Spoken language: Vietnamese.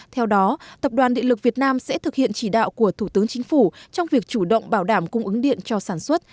theo đó tập đoàn điện lực việt nam sẽ thực hiện chỉ đạo của thủ tướng chính phủ trong việc chủ động bảo đảm cung ứng điện cho sản xuất